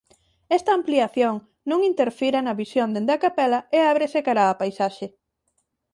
Esta ampliación non interfire na visión dende a capela e ábrese cara á paisaxe.